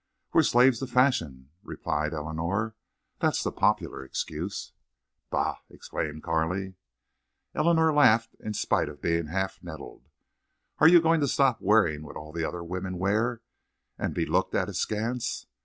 "We're slaves to fashion," replied Eleanor, "That's the popular excuse." "Bah!" exclaimed Carley. Eleanor laughed in spite of being half nettled. "Are you going to stop wearing what all the other women wear—and be looked at askance?